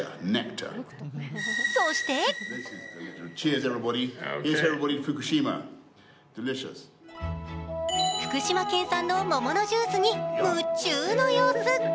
そして福島県産の桃のジュースに夢中の様子。